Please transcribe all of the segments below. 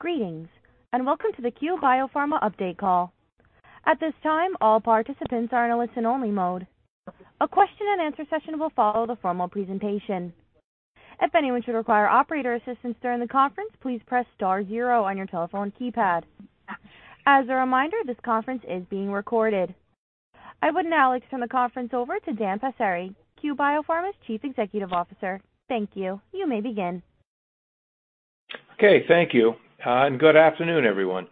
Greetings, and welcome to the Cue Biopharma update call. At this time, all participants are in a listen-only mode. A question and answer session will follow the formal presentation. If anyone should require operator assistance during the conference, please press star zero on your telephone keypad. As a reminder, this conference is being recorded. I would now like to turn the conference over to Dan Passeri, Cue Biopharma's Chief Executive Officer. Thank you. You may begin. Okay, thank you. Good afternoon, everyone.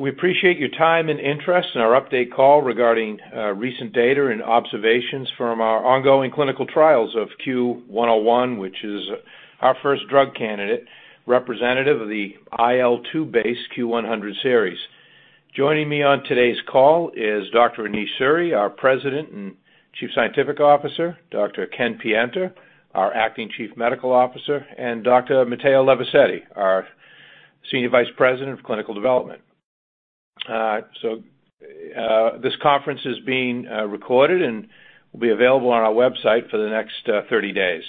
We appreciate your time and interest in our update call regarding recent data and observations from our ongoing clinical trials of CUE-101, which is our first drug candidate, representative of the IL-2 based CUE-100 series. Joining me on today's call is Dr. Anish Suri, our President and Chief Scientific Officer, Dr. Ken Pienta, our Acting Chief Medical Officer, and Dr. Matteo Levisetti, our Senior Vice President of Clinical Development. This conference is being recorded and will be available on our website for the next 30 days.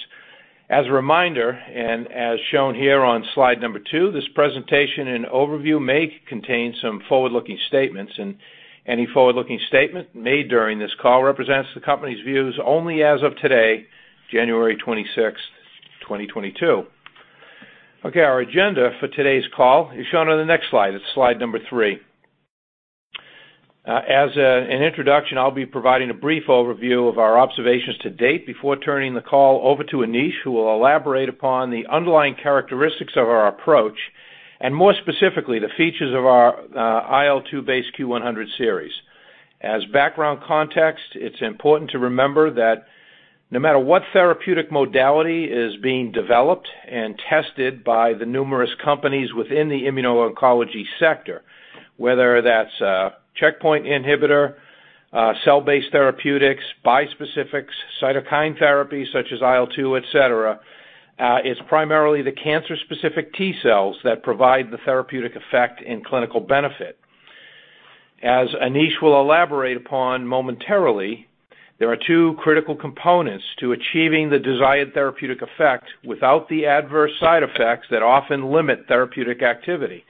As a reminder, as shown here on slide number two, this presentation and overview may contain some forward-looking statements, and any forward-looking statement made during this call represents the company's views only as of today, January 26, 2022. Okay, our agenda for today's call is shown on the next slide. It's slide number three. As an introduction, I'll be providing a brief overview of our observations to date before turning the call over to Anish, who will elaborate upon the underlying characteristics of our approach and more specifically, the features of our IL-2 based CUE-100 series. As background context, it's important to remember that no matter what therapeutic modality is being developed and tested by the numerous companies within the immuno-oncology sector, whether that's a checkpoint inhibitor, cell-based therapeutics, bispecifics, cytokine therapies such as IL-2, et cetera, it's primarily the cancer-specific T cells that provide the therapeutic effect and clinical benefit. As Anish will elaborate upon momentarily, there are two critical components to achieving the desired therapeutic effect without the adverse side effects that often limit therapeutic activity.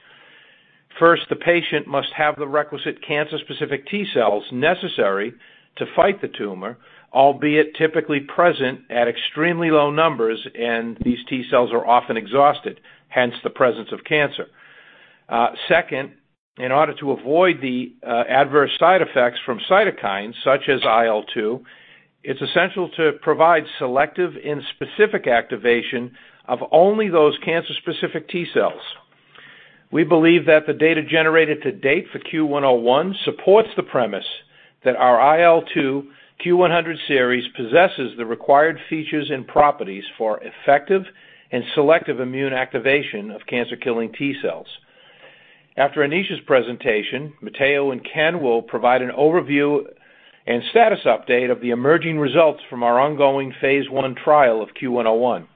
First, the patient must have the requisite cancer-specific T cells necessary to fight the tumor, albeit typically present at extremely low numbers, and these T cells are often exhausted, hence the presence of cancer. Second, in order to avoid the adverse side effects from cytokines such as IL-2, it's essential to provide selective and specific activation of only those cancer-specific T cells. We believe that the data generated to date for CUE-101 supports the premise that our IL-2 CUE-100 series possesses the required features and properties for effective and selective immune activation of cancer-killing T cells. After Anish's presentation, Matteo and Ken will provide an overview and status update of the emerging results from our ongoing phase I trial of CUE-101.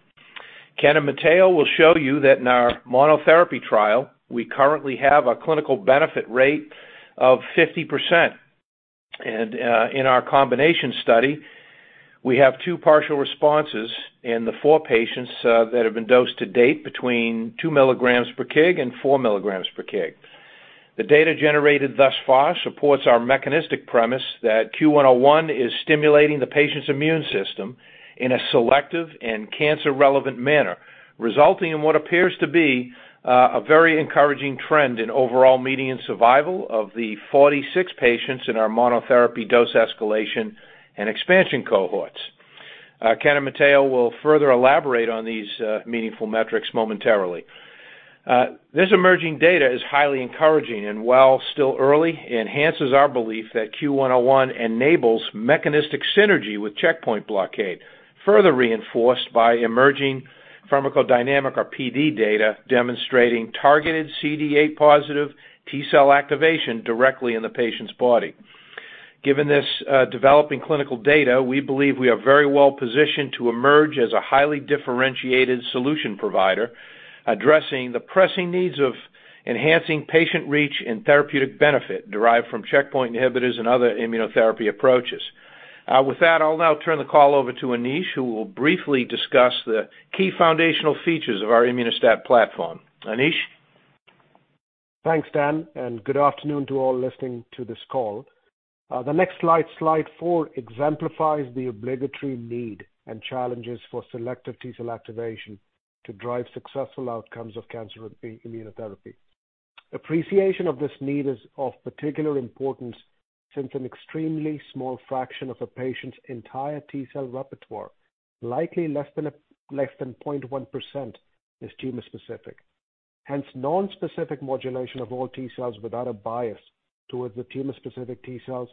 Ken and Matteo will show you that in our monotherapy trial, we currently have a clinical benefit rate of 50%. In our combination study, we have two partial responses in the four patients that have been dosed to date between two milligrams per kg and four milligrams per kg. The data generated thus far supports our mechanistic premise that CUE-101 is stimulating the patient's immune system in a selective and cancer-relevant manner, resulting in what appears to be a very encouraging trend in overall median survival of the 46 patients in our monotherapy dose escalation and expansion cohorts. Ken and Matteo will further elaborate on these meaningful metrics momentarily. This emerging data is highly encouraging and while still early, enhances our belief that CUE-101 enables mechanistic synergy with checkpoint blockade, further reinforced by emerging pharmacodynamic or PD data demonstrating targeted CD8-positive T-cell activation directly in the patient's body. Given this, developing clinical data, we believe we are very well positioned to emerge as a highly differentiated solution provider addressing the pressing needs of enhancing patient reach and therapeutic benefit derived from checkpoint inhibitors and other immunotherapy approaches. With that, I'll now turn the call over to Anish, who will briefly discuss the key foundational features of our Immuno-STAT platform. Anish? Thanks, Dan, and good afternoon to all listening to this call. The next slide four, exemplifies the obligatory need and challenges for selective T-cell activation to drive successful outcomes of cancer immunotherapy. Appreciation of this need is of particular importance since an extremely small fraction of a patient's entire T-cell repertoire, likely less than 0.1%, is tumor specific. Hence, nonspecific modulation of all T-cells without a bias towards the tumor-specific T-cells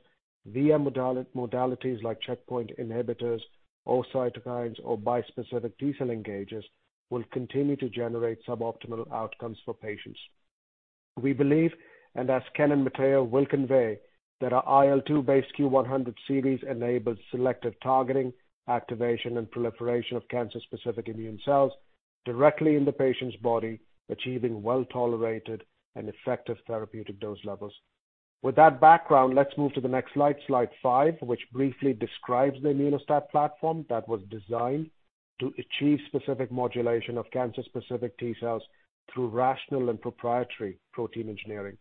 via modalities like checkpoint inhibitors or cytokines or bispecific T-cell engagers will continue to generate suboptimal outcomes for patients. We believe, and as Ken and Matteo will convey, that our IL-2-based CUE-100 series enables selective targeting, activation, and proliferation of cancer-specific immune cells directly in the patient's body, achieving well-tolerated and effective therapeutic dose levels. With that background, let's move to the next slide five, which briefly describes the Immuno-STAT platform that was designed to achieve specific modulation of cancer-specific T cells through rational and proprietary protein engineering.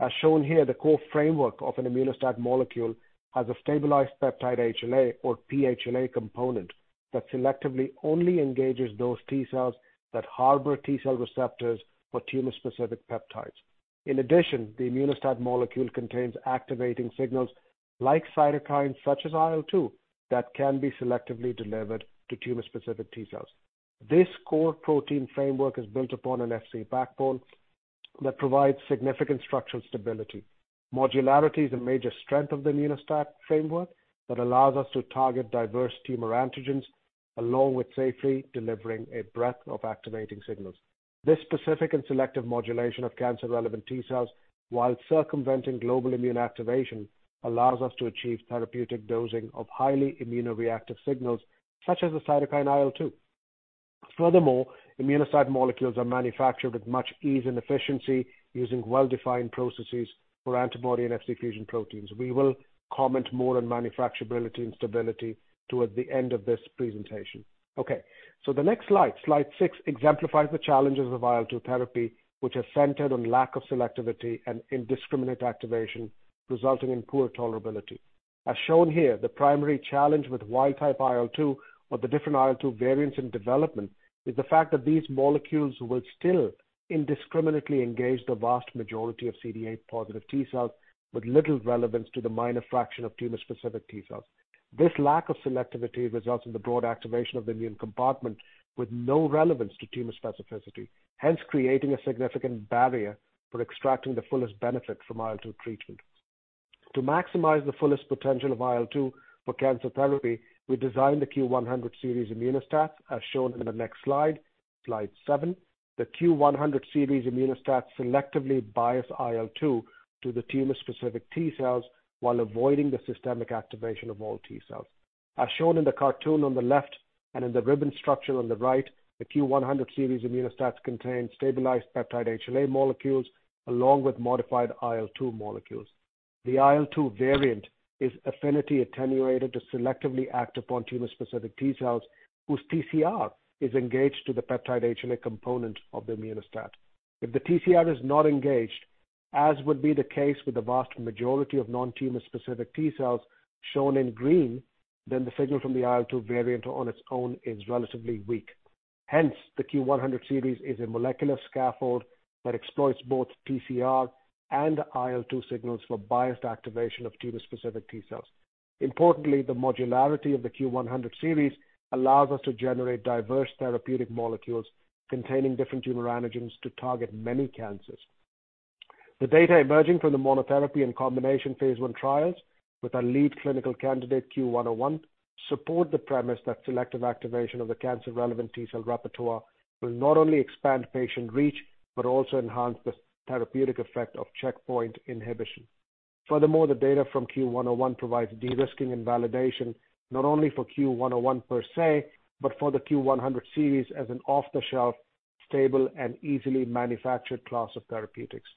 As shown here, the core framework of an Immuno-STAT molecule has a stabilized peptide-HLA or pHLA component that selectively only engages those T cells that harbor T cell receptors for tumor-specific peptides. In addition, the Immuno-STAT molecule contains activating signals like cytokines such as IL-2 that can be selectively delivered to tumor-specific T cells. This core protein framework is built upon an Fc backbone that provides significant structural stability. Modularity is a major strength of the Immuno-STAT framework that allows us to target diverse tumor antigens, along with safely delivering a breadth of activating signals. This specific and selective modulation of cancer-relevant T cells while circumventing global immune activation allows us to achieve therapeutic dosing of highly immunoreactive signals such as the cytokine IL-2. Furthermore, Immuno-STAT molecules are manufactured with much ease and efficiency using well-defined processes for antibody and Fc fusion proteins. We will comment more on manufacturability and stability towards the end of this presentation. Okay, the next slide six, exemplifies the challenges of IL-2 therapy, which are centered on lack of selectivity and indiscriminate activation, resulting in poor tolerability. As shown here, the primary challenge with wild type IL-2 or the different IL-2 variants in development is the fact that these molecules will still indiscriminately engage the vast majority of CD8 positive T cells with little relevance to the minor fraction of tumor-specific T cells. This lack of selectivity results in the broad activation of the immune compartment with no relevance to tumor specificity, hence creating a significant barrier for extracting the fullest benefit from IL-2 treatment. To maximize the fullest potential of IL-2 for cancer therapy, we designed the CUE-100 series Immuno-STATs, as shown in the next slide seven. The CUE-100 series Immuno-STATs selectively bias IL-2 to the tumor-specific T cells while avoiding the systemic activation of all T cells. As shown in the cartoon on the left and in the ribbon structure on the right, the CUE-100 series Immuno-STATs contain stabilized peptide HLA molecules along with modified IL-2 molecules. The IL-2 variant is affinity attenuated to selectively act upon tumor-specific T cells whose TCR is engaged to the peptide HLA component of the Immuno-STAT. If the TCR is not engaged, as would be the case with the vast majority of non-tumor specific T cells shown in green, then the signal from the IL-2 variant on its own is relatively weak. Hence, the CUE-100 series is a molecular scaffold that exploits both TCR and IL-2 signals for biased activation of tumor-specific T cells. Importantly, the modularity of the CUE-100 series allows us to generate diverse therapeutic molecules containing different tumor antigens to target many cancers. The data emerging from the monotherapy and combination phase II trials with our lead clinical candidate Q one zero one support the premise that selective activation of the cancer-relevant T cell repertoire will not only expand patient reach, but also enhance the therapeutic effect of checkpoint inhibition. Furthermore, the data from Q one zero one provides de-risking and validation not only for Q one zero one per se, but for the CUE-100 series as an off-the-shelf, stable and easily manufactured class of therapeutics.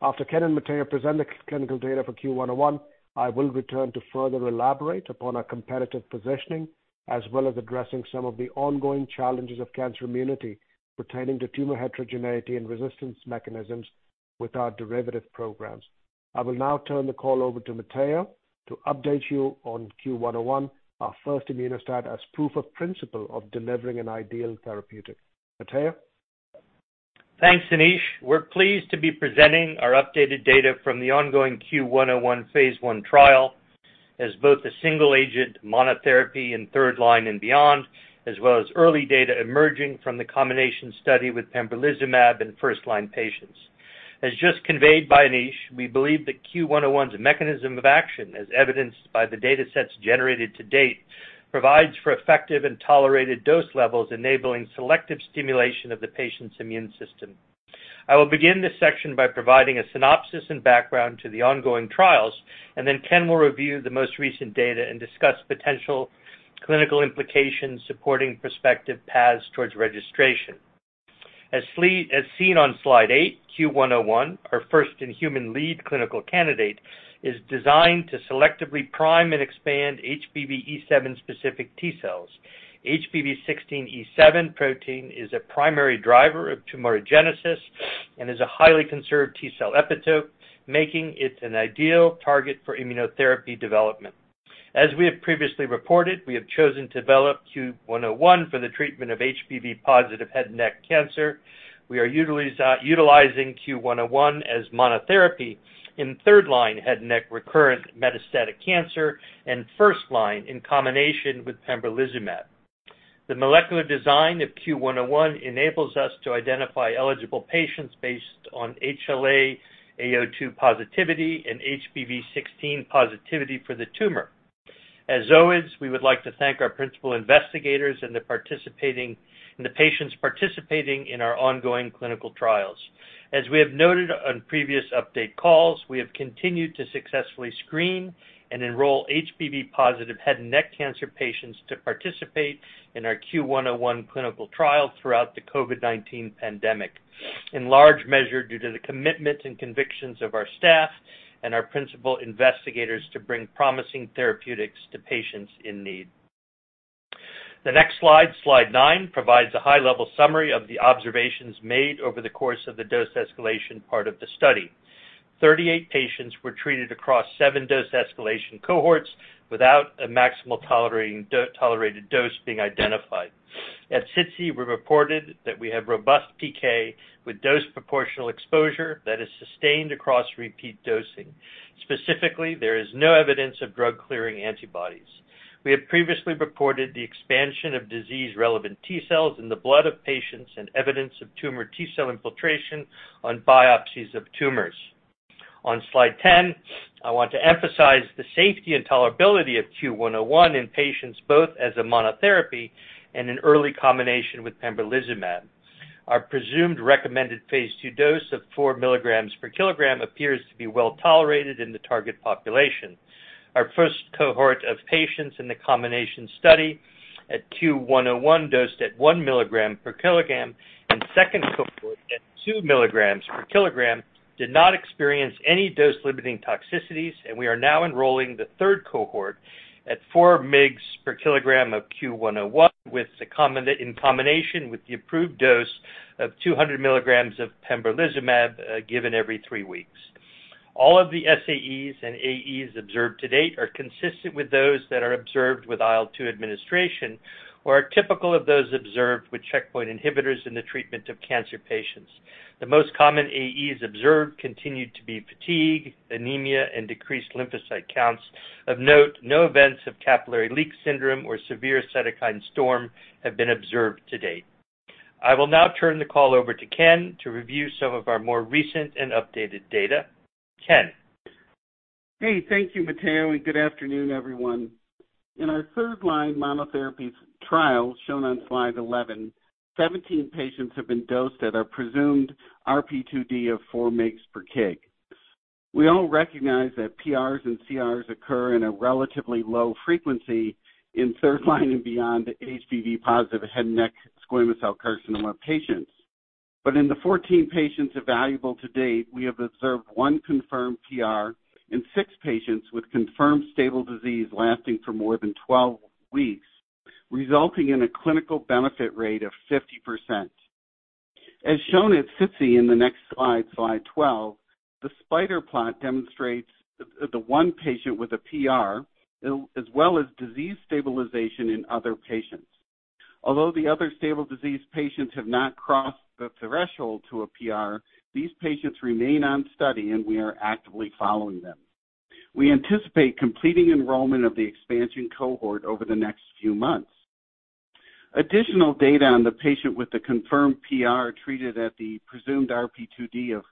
After Ken and Matteo present the clinical data for Q one zero one, I will return to further elaborate upon our competitive positioning, as well as addressing some of the ongoing challenges of cancer immunity pertaining to tumor heterogeneity and resistance mechanisms with our derivative programs. I will now turn the call over to Matteo to update you on CUE-101, our first Immuno-STAT as proof of principle of delivering an ideal therapeutic. Matteo? Thanks, Anish. We're pleased to be presenting our updated data from the ongoing CUE-101 phase I trial as both a single-agent monotherapy in third-line and beyond, as well as early data emerging from the combination study with pembrolizumab in first-line patients. As just conveyed by Anish, we believe that CUE-101's mechanism of action, as evidenced by the data sets generated to date, provides for effective and tolerated dose levels, enabling selective stimulation of the patient's immune system. I will begin this section by providing a synopsis and background to the ongoing trials, and then Ken will review the most recent data and discuss potential clinical implications supporting prospective paths towards registration. As seen on slide eight, CUE-101, our first-in-human lead clinical candidate, is designed to selectively prime and expand HPV E7-specific T cells. HPV-16 E7 protein is a primary driver of tumorigenesis and is a highly conserved T cell epitope, making it an ideal target for immunotherapy development. As we have previously reported, we have chosen to develop CUE-101 for the treatment of HPV-positive head and neck cancer. We are utilizing CUE-101 as monotherapy in third-line head and neck recurrent metastatic cancer and first-line in combination with pembrolizumab. The molecular design of CUE-101 enables us to identify eligible patients based on HLA-A*02 positivity and HPV-16 positivity for the tumor. As always, we would like to thank our principal investigators and the patients participating in our ongoing clinical trials. As we have noted on previous update calls, we have continued to successfully screen and enroll HPV-positive head and neck cancer patients to participate in our CUE-101 clinical trial throughout the COVID-19 pandemic, in large measure due to the commitment and convictions of our staff and our principal investigators to bring promising therapeutics to patients in need. The next slide nine, provides a high-level summary of the observations made over the course of the dose escalation part of the study. 38 patients were treated across seven dose escalation cohorts without a maximum tolerated dose being identified. At SITC, we reported that we have robust PK with dose proportional exposure that is sustained across repeat dosing. Specifically, there is no evidence of drug-clearing antibodies. We have previously reported the expansion of disease-relevant T cells in the blood of patients and evidence of tumor T cell infiltration on biopsies of tumors. On slide 10, I want to emphasize the safety and tolerability of CUE-101 in patients, both as a monotherapy and in early combination with pembrolizumab. Our presumed recommended phase II dose of 4 milligrams per kilogram appears to be well-tolerated in the target population. Our first cohort of patients in the combination study at CUE-101 dosed at 1 milligram per kilogram and second cohort at 2 milligrams per kilogram did not experience any dose-limiting toxicities, and we are now enrolling the third cohort at 4 mg per kilogram of CUE-101 with the combination with the approved dose of 200 milligrams of pembrolizumab, given every 3 weeks. All of the SAEs and AEs observed to date are consistent with those that are observed with IL-2 administration or are typical of those observed with checkpoint inhibitors in the treatment of cancer patients. The most common AEs observed continued to be fatigue, anemia, and decreased lymphocyte counts. Of note, no events of capillary leak syndrome or severe cytokine storm have been observed to date. I will now turn the call over to Ken to review some of our more recent and updated data. Ken. Hey. Thank you, Matteo, and good afternoon, everyone. In our third line monotherapy trial shown on slide 11, 17 patients have been dosed at our presumed RP2D of 4 mg/kg. We all recognize that PRs and CRs occur in a relatively low frequency in third line and beyond HPV positive head and neck squamous cell carcinoma patients. In the 14 patients evaluable to date, we have observed one confirmed PR and six patients with confirmed stable disease lasting for more than 12 weeks, resulting in a clinical benefit rate of 50%. As shown at SITC in the next slide 12, the spider plot demonstrates the one patient with a PR as well as disease stabilization in other patients. Although the other stable disease patients have not crossed the threshold to a PR, these patients remain on study, and we are actively following them. We anticipate completing enrollment of the expansion cohort over the next few months. Additional data on the patient with the confirmed PR treated at the presumed RP2D of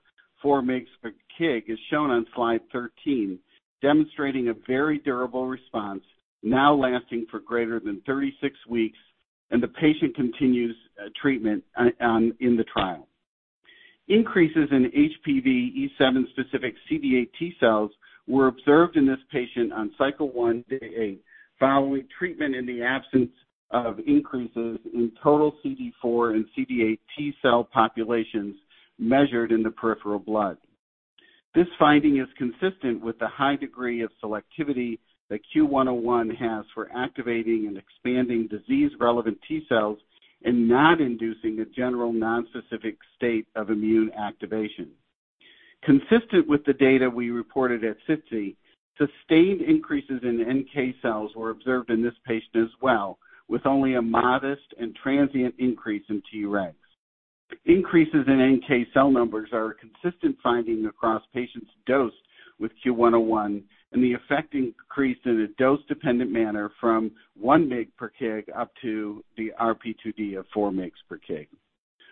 4 mg/kg is shown on slide 13, demonstrating a very durable response now lasting for greater than 36 weeks, and the patient continues treatment in the trial. Increases in HPV E7 specific CD8 T cells were observed in this patient on cycle one, day eight, following treatment in the absence of increases in total CD4 and CD8 T cell populations measured in the peripheral blood. This finding is consistent with the high degree of selectivity that CUE-101 has for activating and expanding disease-relevant T cells and not inducing a general non-specific state of immune activation. Consistent with the data we reported at SITC, sustained increases in NK cells were observed in this patient as well, with only a modest and transient increase in Tregs. Increases in NK cell numbers are a consistent finding across patients dosed with CUE-101, and the effect increased in a dose-dependent manner from 1 mg per kg up to the RP2D of 4 mg per kg.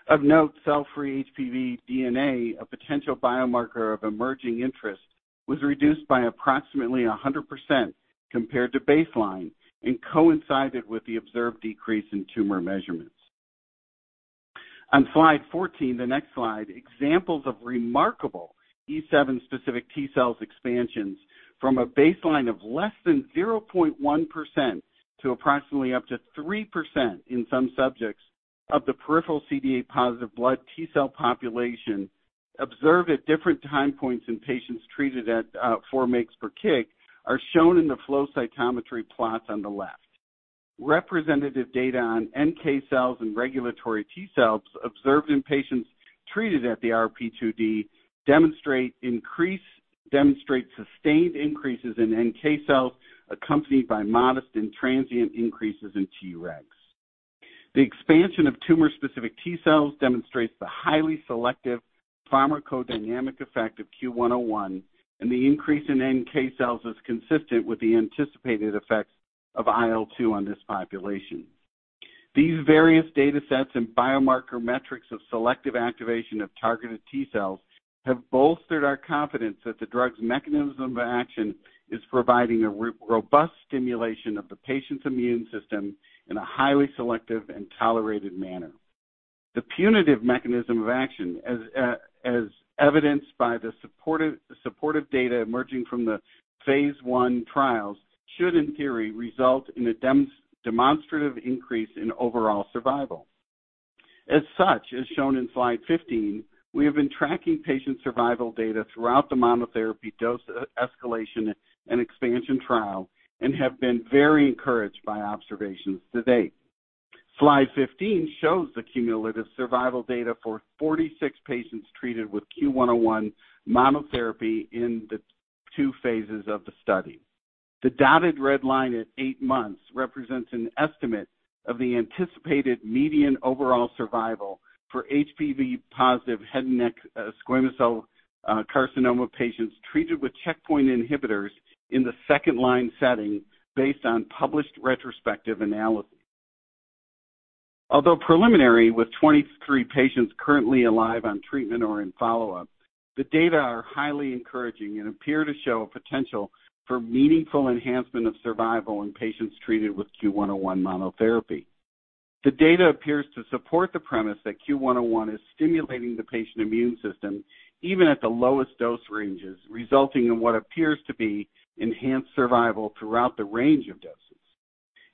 Of note, cell-free HPV DNA, a potential biomarker of emerging interest, was reduced by approximately 100% compared to baseline and coincided with the observed decrease in tumor measurements. On slide 14, the next slide, examples of remarkable E7-specific T cells expansions from a baseline of less than 0.1% to approximately up to 3% in some subjects of the peripheral CD8-positive blood T cell population observed at different time points in patients treated at 4 mg/kg are shown in the flow cytometry plots on the left. Representative data on NK cells and regulatory T cells observed in patients treated at the RP2D demonstrate sustained increases in NK cells accompanied by modest and transient increases in Tregs. The expansion of tumor-specific T cells demonstrates the highly selective pharmacodynamic effect of CUE-101, and the increase in NK cells is consistent with the anticipated effects of IL-2 on this population. These various data sets and biomarker metrics of selective activation of targeted T cells have bolstered our confidence that the drug's mechanism of action is providing a robust stimulation of the patient's immune system in a highly selective and tolerated manner. The potent mechanism of action as evidenced by the supportive data emerging from the phase I trials should, in theory, result in a demonstrative increase in overall survival. As such, as shown in slide 15, we have been tracking patient survival data throughout the monotherapy dose escalation and expansion trial and have been very encouraged by observations to date. Slide 15 shows the cumulative survival data for 46 patients treated with CUE-101 monotherapy in the two phases of the study. The dotted red line at 8 months represents an estimate of the anticipated median overall survival for HPV-positive head and neck squamous cell carcinoma patients treated with checkpoint inhibitors in the second-line setting based on published retrospective analysis. Although preliminary with 23 patients currently alive on treatment or in follow-up, the data are highly encouraging and appear to show a potential for meaningful enhancement of survival in patients treated with CUE-101 monotherapy. The data appears to support the premise that CUE-101 is stimulating the patient's immune system even at the lowest dose ranges, resulting in what appears to be enhanced survival throughout the range of doses.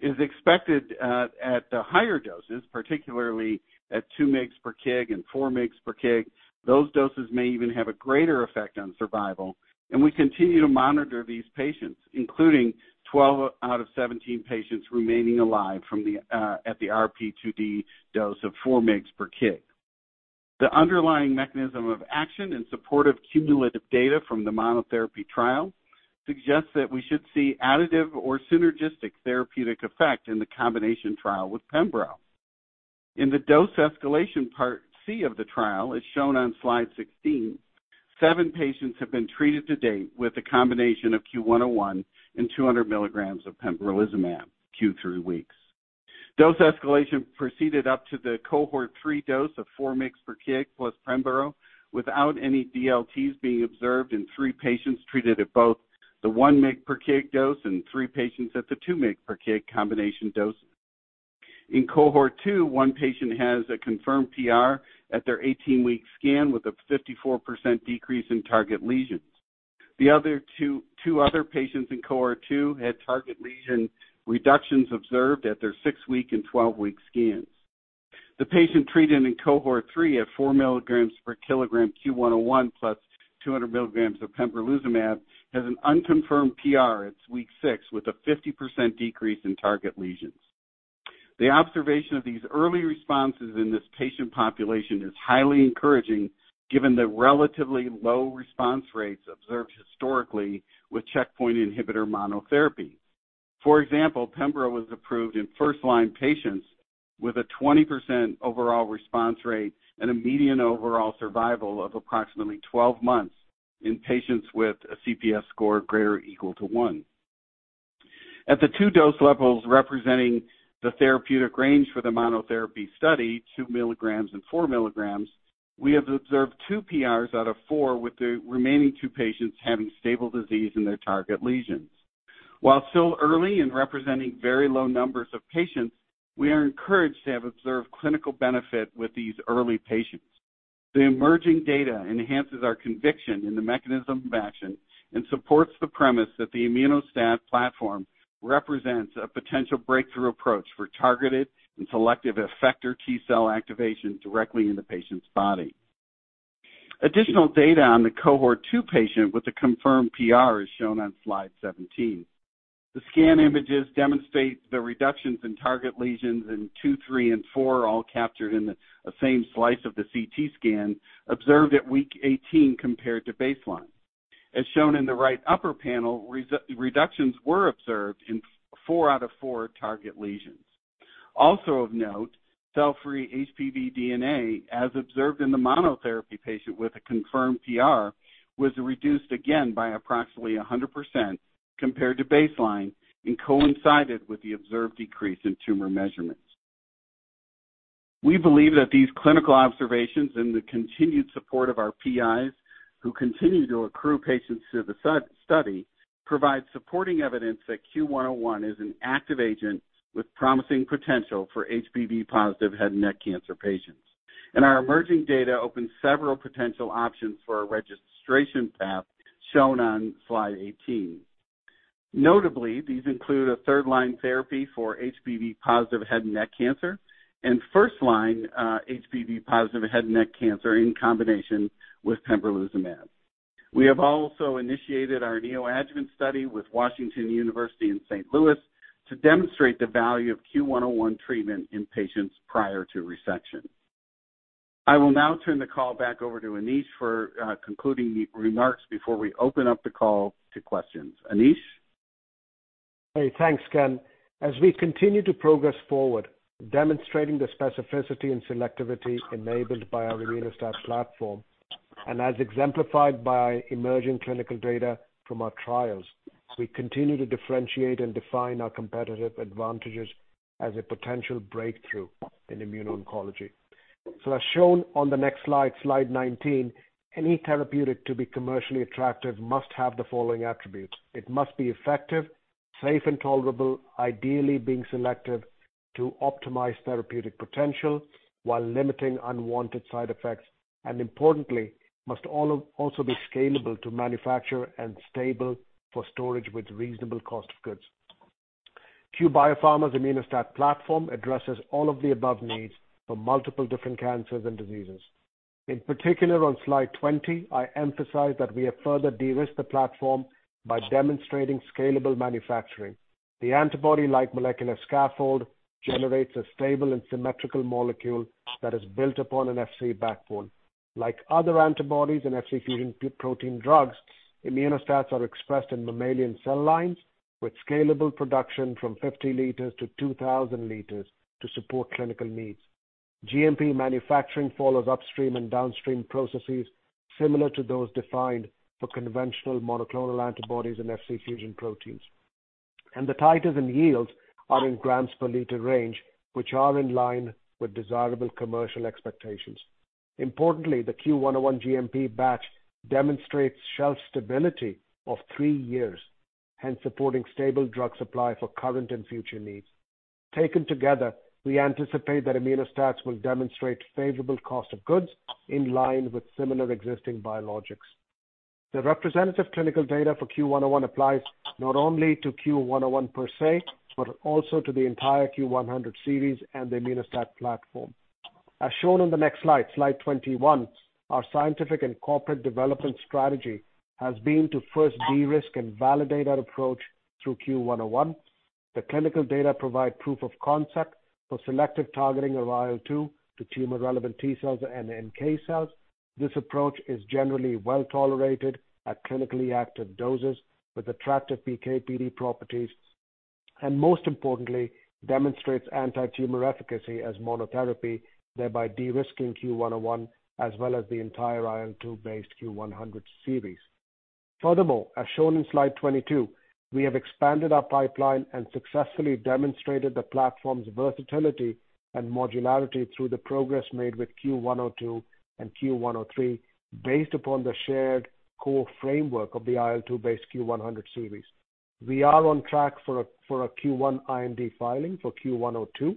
It is expected at the higher doses, particularly at 2 mg per kg and 4 mg per kg, those doses may even have a greater effect on survival, and we continue to monitor these patients, including 12 out of 17 patients remaining alive from the RP2D dose of 4 mg per kg. The underlying mechanism of action and supportive cumulative data from the monotherapy trial suggests that we should see additive or synergistic therapeutic effect in the combination trial with Pembro. In the dose escalation part C of the trial, as shown on slide 16, 7 patients have been treated to date with a combination of CUE-101 and 200 mg of pembrolizumab Q3W. Dose escalation proceeded up to the cohort 3 dose of 4 mg/kg plus pembro without any DLTs being observed in 3 patients treated at both the 1 mg/kg dose and three patients at the 2 mg/kg combination dose. In cohort 2, one patient has a confirmed PR at their 18-week scan with a 54% decrease in target lesions. The other two patients in cohort 2 had target lesion reductions observed at their six week and 12-week scans. The patient treated in cohort 3 at 4 mg/kg CUE-101 plus 200 mg of pembrolizumab has an unconfirmed PR at week 6 with a 50% decrease in target lesions. The observation of these early responses in this patient population is highly encouraging given the relatively low response rates observed historically with checkpoint inhibitor monotherapy. For example, Pembro was approved in first-line patients with a 20% overall response rate and a median overall survival of approximately 12 months in patients with a CPS score greater or equal to one. At the two dose levels representing the therapeutic range for the monotherapy study, 2 mg and 4 mg, we have observed two PRs out of four, with the remaining 2 patients having stable disease in their target lesions. While still early in representing very low numbers of patients, we are encouraged to have observed clinical benefit with these early patients. The emerging data enhances our conviction in the mechanism of action and supports the premise that the Immuno-STAT platform represents a potential breakthrough approach for targeted and selective effector T-cell activation directly in the patient's body. Additional data on the cohort two patient with a confirmed PR is shown on slide 17. The scan images demonstrate the reductions in target lesions in two, three, and four, all captured in the same slice of the CT scan observed at week 18 compared to baseline. As shown in the right upper panel, reductions were observed in four out of four target lesions. Also of note, cell-free HPV DNA, as observed in the monotherapy patient with a confirmed PR, was reduced again by approximately 100% compared to baseline and coincided with the observed decrease in tumor measurements. We believe that these clinical observations and the continued support of our PIs, who continue to accrue patients to the study, provide supporting evidence that CUE-101 is an active agent with promising potential for HPV positive head and neck cancer patients. Our emerging data opens several potential options for a registration path shown on slide 18. Notably, these include a third-line therapy for HPV positive head and neck cancer and first-line HPV positive head and neck cancer in combination with pembrolizumab. We have also initiated our neoadjuvant study with Washington University in St. Louis to demonstrate the value of CUE-101 treatment in patients prior to resection. I will now turn the call back over to Anish for concluding remarks before we open up the call to questions. Anish? Hey, thanks, Ken. As we continue to progress forward, demonstrating the specificity and selectivity enabled by our Immuno-STAT platform and as exemplified by emerging clinical data from our trials, we continue to differentiate and define our competitive advantages as a potential breakthrough in immune oncology. As shown on the next slide 19, any therapeutic to be commercially attractive must have the following attributes. It must be effective, safe and tolerable, ideally being selective to optimize therapeutic potential while limiting unwanted side effects, and importantly, must also be scalable to manufacture and stable for storage with reasonable cost of goods. Cue Biopharma's Immuno-STAT platform addresses all of the above needs for multiple different cancers and diseases. In particular, on slide 20, I emphasize that we have further de-risked the platform by demonstrating scalable manufacturing. The antibody-like molecular scaffold generates a stable and symmetrical molecule that is built upon an Fc backbone. Like other antibodies and Fc fusion protein drugs, Immuno-STATs are expressed in mammalian cell lines with scalable production from 50 liters to 2,000 liters to support clinical needs. GMP manufacturing follows upstream and downstream processes similar to those defined for conventional monoclonal antibodies and Fc fusion proteins. The titers and yields are in grams per liter range, which are in line with desirable commercial expectations. Importantly, the CUE-101 GMP batch demonstrates shelf stability of three years, hence supporting stable drug supply for current and future needs. Taken together, we anticipate that Immuno-STATs will demonstrate favorable cost of goods in line with similar existing biologics. The representative clinical data for CUE-101 applies not only to CUE-101 per se, but also to the entire CUE-100 series and the Immuno-STAT platform. As shown on the next slide 21, our scientific and corporate development strategy has been to first de-risk and validate our approach through CUE-101. The clinical data provide proof of concept for selective targeting of IL-2 to tumor-relevant T cells and NK cells. This approach is generally well-tolerated at clinically active doses with attractive PK/PD properties, and most importantly, demonstrates antitumor efficacy as monotherapy, thereby de-risking CUE-101 as well as the entire IL-2-based CUE-100 series. Furthermore, as shown in slide 22, we have expanded our pipeline and successfully demonstrated the platform's versatility and modularity through the progress made with CUE-102 and CUE-103, based upon the shared core framework of the IL-2-based CUE-100 series. We are on track for a Q1 IND filing for CUE-102,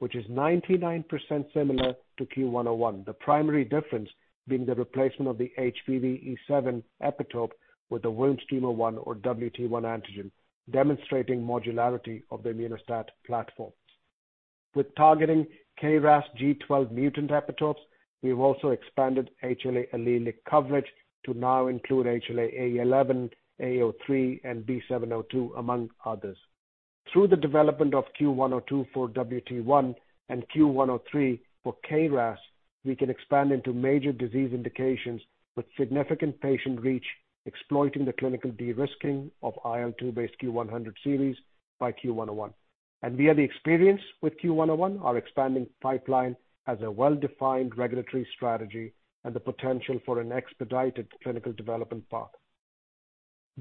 which is 99% similar to CUE-101, the primary difference being the replacement of the HPV E7 epitope with the Wilms' tumor 1 or WT1 antigen, demonstrating modularity of the Immuno-STAT platform. With targeting KRAS G12 mutant epitopes, we've also expanded HLA allelic coverage to now include HLA-A*11:01, HLA-A*03:01, and HLA-B*07:02, among others. Through the development of CUE-102 for WT1 and CUE-103 for KRAS, we can expand into major disease indications with significant patient reach, exploiting the clinical de-risking of IL-2-based CUE-100 series by CUE-101. Via the experience with CUE-101, our expanding pipeline has a well-defined regulatory strategy and the potential for an expedited clinical development path.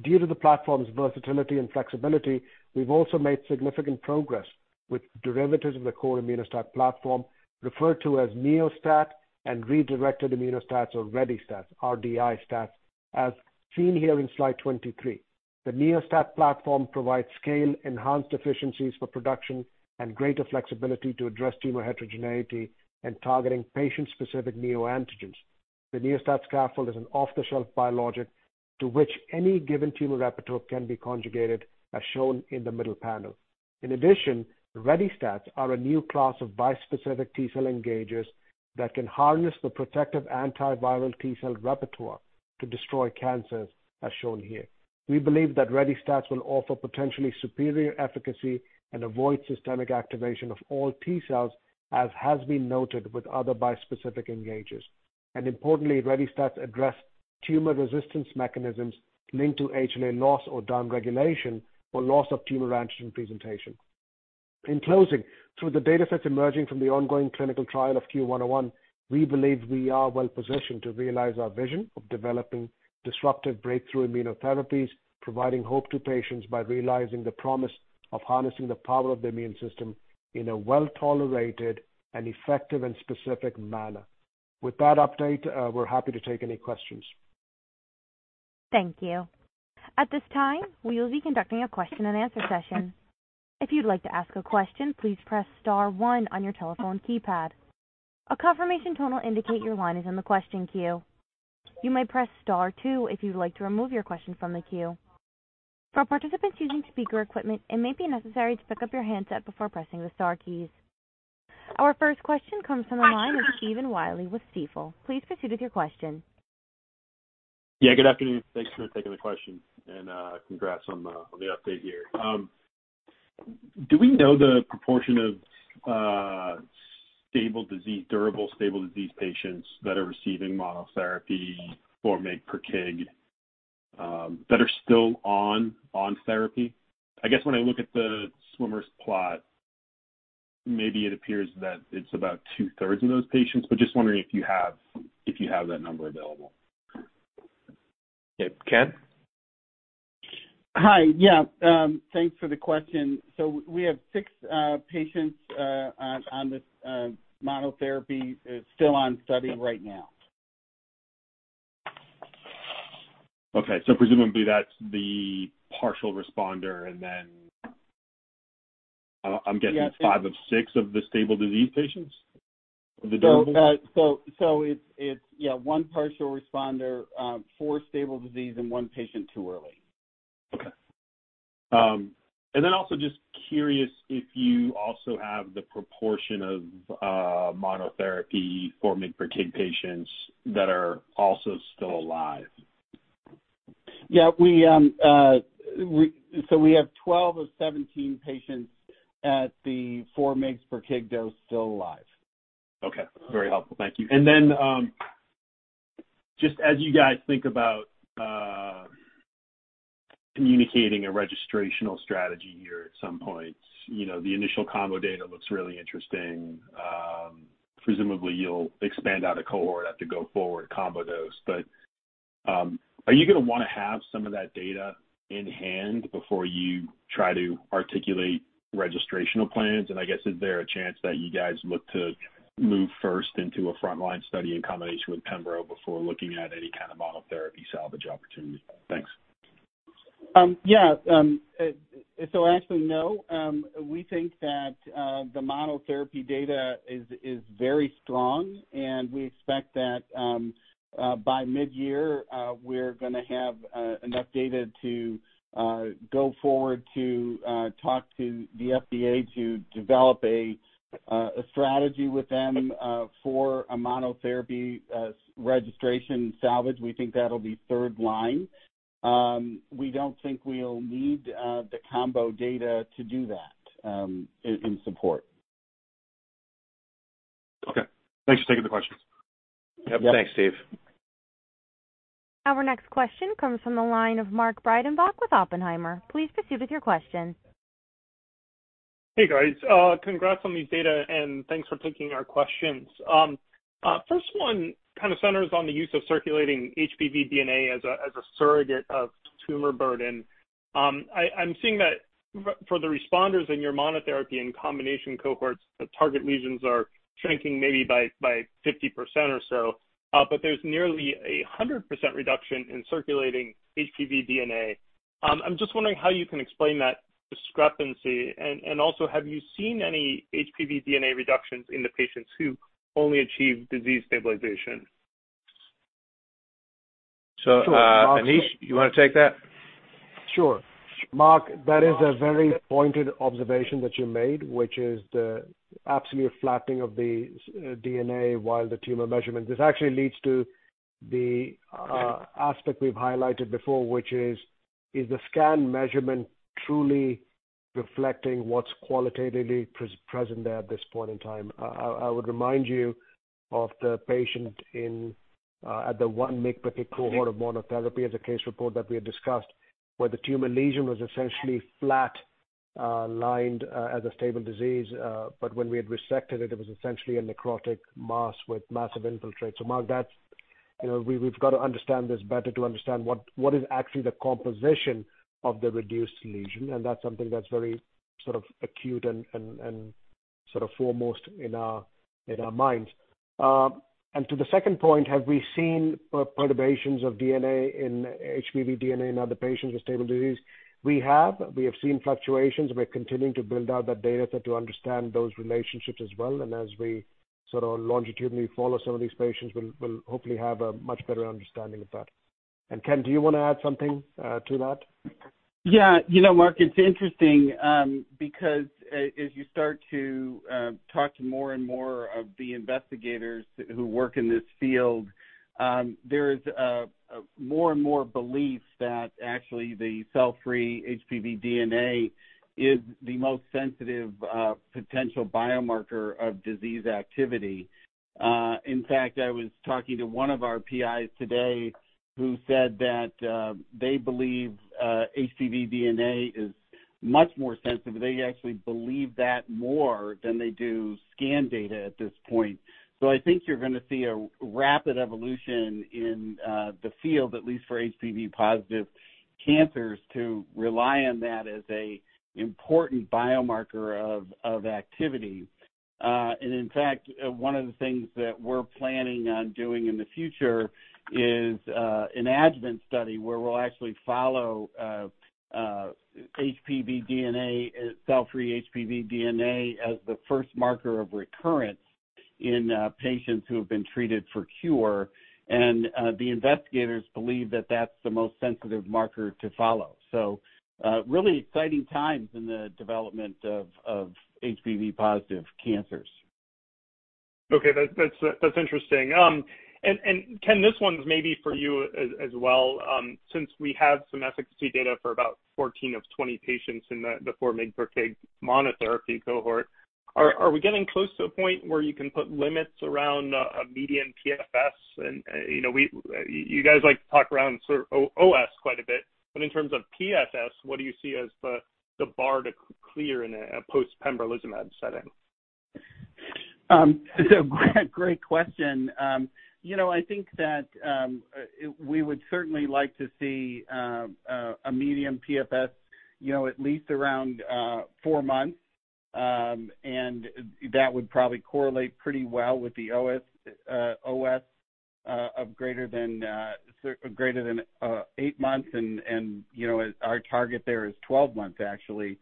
Due to the platform's versatility and flexibility, we've also made significant progress with derivatives of the core Immuno-STAT platform, referred to as Neo-STAT and redirected Immuno-STATs or RDI-STATs, as seen here in slide 23. The Neo-STAT platform provides scale, enhanced efficiencies for production and greater flexibility to address tumor heterogeneity and targeting patient-specific neoantigens. The Neo-STAT scaffold is an off-the-shelf biologic to which any given tumor epitope can be conjugated, as shown in the middle panel. In addition, the RDI-STATs are a new class of bispecific T-cell engagers that can harness the protective antiviral T-cell repertoire to destroy cancers, as shown here. We believe that RDI-STATs will offer potentially superior efficacy and avoid systemic activation of all T-cells, as has been noted with other bispecific engagers. Importantly, RDI-STATs address tumor resistance mechanisms linked to HLA loss or downregulation or loss of tumor antigen presentation. In closing, through the data sets emerging from the ongoing clinical trial of CUE-101, we believe we are well positioned to realize our vision of developing disruptive breakthrough immunotherapies, providing hope to patients by realizing the promise of harnessing the power of the immune system in a well-tolerated and effective and specific manner. With that update, we're happy to take any questions. Thank you. At this time, we will be conducting a question and answer session. If you'd like to ask a question, please press star one on your telephone keypad. A confirmation tone will indicate your line is in the question queue. You may press star two if you'd like to remove your question from the queue. For participants using speaker equipment, it may be necessary to pick up your handset before pressing the star keys. Our first question comes from the line of Stephen Willey with Stifel. Please proceed with your question. Yeah, good afternoon. Thanks for taking the question and congrats on the update here. Do we know the proportion of stable disease, durable stable disease patients that are receiving monotherapy 4 mg per kg that are still on therapy? I guess when I look at the swimmers plot, maybe it appears that it's about two-thirds of those patients, but just wondering if you have that number available. Okay, Ken? Hi. Yeah, thanks for the question. We have six patients on this monotherapy still on study right now. Okay. Presumably, that's the partial responder and then I'm guessing five of six of the stable disease patients? one partial responder, four stable disease, and one patient too early. Okay. Also just curious if you also have the proportion of monotherapy 4 mgs per kg patients that are also still alive. Yeah. We have 12 of 17 patients at the 4 mg/kg dose still alive. Okay. Very helpful. Thank you. Just as you guys think about communicating a registrational strategy here at some point, you know, the initial combo data looks really interesting. Presumably, you'll expand out a cohort at the go-forward combo dose. Are you gonna wanna have some of that data in hand before you try to articulate registrational plans? I guess, is there a chance that you guys look to move first into a frontline study in combination with pembro before looking at any kind of monotherapy salvage opportunities? Thanks. Actually, no. We think that the monotherapy data is very strong, and we expect that by mid-year we're gonna have enough data to go forward to talk to the FDA to develop a strategy with them for a monotherapy registration salvage. We think that'll be third line. We don't think we'll need the combo data to do that in support. Okay. Thanks for taking the questions. Yep. Thanks, Steve. Our next question comes from the line of Mark Breidenbach with Oppenheimer. Please proceed with your question. Hey, guys. Congrats on these data, and thanks for taking our questions. First one kind of centers on the use of circulating HPV DNA as a surrogate of tumor burden. I'm seeing that for the responders in your monotherapy and combination cohorts, the target lesions are shrinking maybe by 50% or so. But there's nearly a 100% reduction in circulating HPV DNA. I'm just wondering how you can explain that discrepancy. And also, have you seen any HPV DNA reductions in the patients who only achieve disease stabilization? So, uh- Sure. Mark- Anish, you wanna take that? Sure. Mark, that is a very pointed observation that you made, which is the absolute flattening of the SD line while the tumor measurement. This actually leads to the aspect we've highlighted before, which is the scan measurement truly reflecting what's qualitatively present there at this point in time? I would remind you of the patient in the 1 mg per kg cohort of monotherapy as a case report that we had discussed, where the tumor lesion was essentially flatlined as a stable disease. When we had resected it was essentially a necrotic mass with massive infiltrates. Mark, that's, you know, we've got to understand this better to understand what is actually the composition of the reduced lesion. That's something that's very sort of acute and sort of foremost in our minds. To the second point, have we seen perturbations of HPV DNA in other patients with stable disease? We have. We have seen fluctuations. We're continuing to build out that data set to understand those relationships as well. As we sort of longitudinally follow some of these patients, we'll hopefully have a much better understanding of that. Ken, do you wanna add something to that? Yeah. You know, Mark, it's interesting, because as you start to talk to more and more of the investigators who work in this field, there is more and more belief that actually the cell-free HPV DNA is the most sensitive potential biomarker of disease activity. In fact, I was talking to one of our PIs today who said that they believe HPV DNA is much more sensitive. They actually believe that more than they do scan data at this point. So I think you're gonna see a rapid evolution in the field, at least for HPV positive cancers, to rely on that as an important biomarker of activity. In fact, one of the things that we're planning on doing in the future is an adjuvant study where we'll actually follow HPV DNA, cell-free HPV DNA, as the first marker of recurrence in patients who have been treated for cure. The investigators believe that that's the most sensitive marker to follow. Really exciting times in the development of HPV-positive cancers. Okay. That's interesting. Ken, this one's maybe for you as well. Since we have some efficacy data for about 14 of 20 patients in the 4 mg per kg monotherapy cohort, are we getting close to a point where you can put limits around a median PFS? You know, you guys like to talk around sort of OS quite a bit, but in terms of PFS, what do you see as the bar to clear in a post-pembrolizumab setting? Great question. You know, I think that we would certainly like to see a median PFS, you know, at least around four months. That would probably correlate pretty well with the OS of greater than eight months and, you know, our target there is 12 months, actually.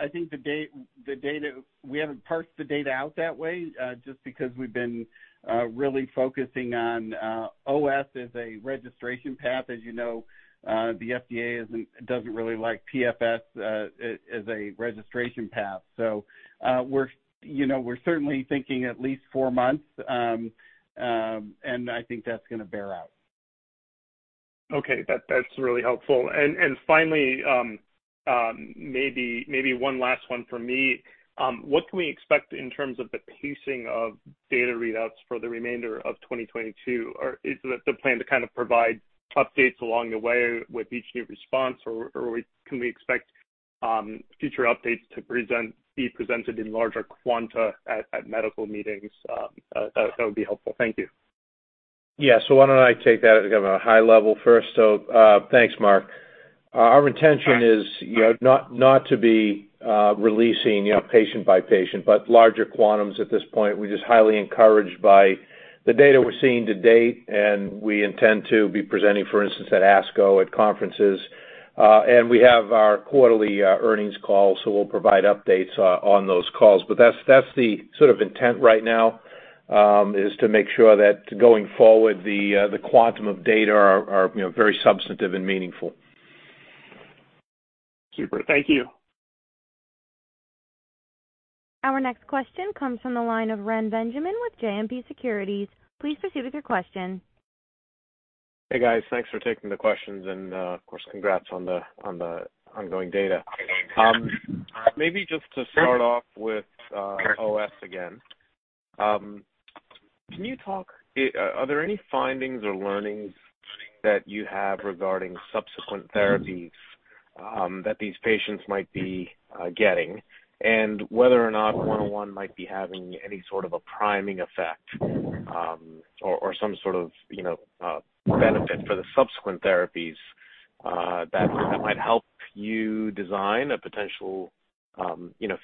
I think the data, we haven't parsed the data out that way, just because we've been really focusing on OS as a registration path. As you know, the FDA doesn't really like PFS as a registration path. You know, we're certainly thinking at least four months. I think that's gonna bear out. Okay. That's really helpful. Finally, maybe one last one for me. What can we expect in terms of the pacing of data readouts for the remainder of 2022? Or is the plan to kind of provide updates along the way with each new response, or can we expect future updates to be presented in larger quanta at medical meetings? That would be helpful. Thank you. Yeah. Why don't I take that at kind of a high level first. Thanks, Mark. Our intention is, you know, not to be releasing, you know, patient by patient, but larger quantums at this point. We're just highly encouraged by the data we're seeing to date, and we intend to be presenting, for instance, at ASCO, at conferences. We have our quarterly earnings call, so we'll provide updates on those calls. That's the sort of intent right now is to make sure that going forward, the quantum of data are, you know, very substantive and meaningful. Super. Thank you. Our next question comes from the line of Reni Benjamin with JMP Securities. Please proceed with your question. Hey, guys. Thanks for taking the questions. Of course, congrats on the ongoing data. Maybe just to start off with OS again. Can you talk are there any findings or learnings that you have regarding subsequent therapies that these patients might be getting? Whether or not 101 might be having any sort of a priming effect or some sort of you know benefit for the subsequent therapies that might help you design a potential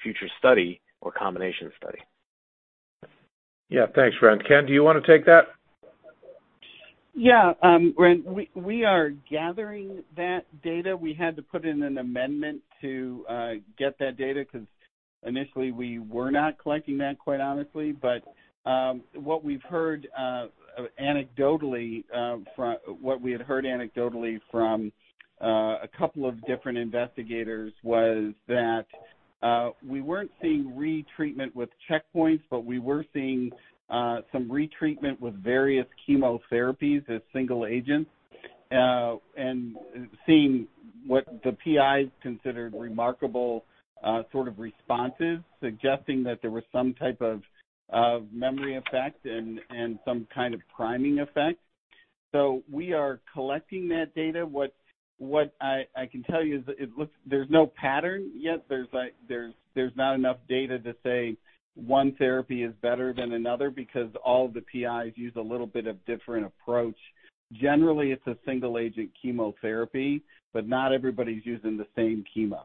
future study or combination study. Yeah. Thanks, Ren. Ken, do you wanna take that? Ren, we are gathering that data. We had to put in an amendment to get that data 'cause initially we were not collecting that, quite honestly. What we had heard anecdotally from a couple of different investigators was that we weren't seeing retreatment with checkpoints, but we were seeing some retreatment with various chemotherapies as single agents, and seeing what the PIs considered remarkable sort of responses, suggesting that there was some type of memory effect and some kind of priming effect. We are collecting that data. What I can tell you is it looks there's no pattern yet. There's like there's not enough data to say one therapy is better than another because all the PIs use a little bit different approach. Generally, it's a single agent chemotherapy, but not everybody's using the same chemo.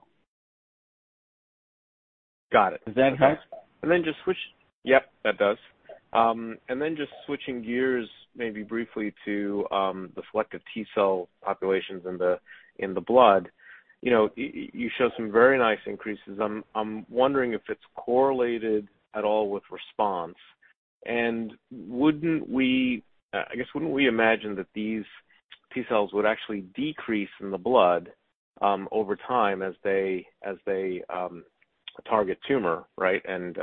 Got it. Does that help? Switching gears maybe briefly to the selective T cell populations in the blood. You know, you show some very nice increases. I'm wondering if it's correlated at all with response. Wouldn't we imagine that these T cells would actually decrease in the blood over time as they target tumor, right, and